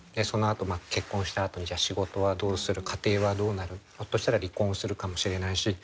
そのあと結婚したあとに仕事はどうする家庭はどうなるひょっとしたら離婚するかもしれないし。